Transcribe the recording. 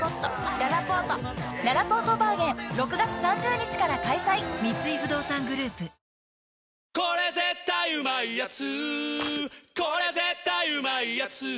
「日清これ絶対うまいやつ」